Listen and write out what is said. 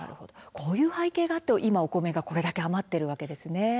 こういう背景があって今、お米がこれだけ余っているんですね。